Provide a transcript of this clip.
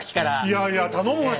いやいや頼むわ。